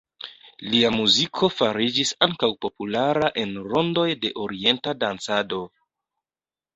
Lia muziko fariĝis ankaŭ populara en rondoj de orienta dancado.